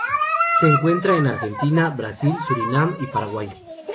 Se encuentran en Argentina, Brasil, Surinam y Paraguay.